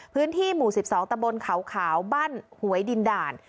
พื้นที่หมู่๑๒ตะบนเขาขาวบ้านหวยดินด่าน